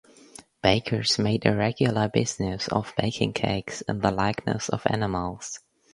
Bakers made a regular business of baking cakes in the likeness of animals.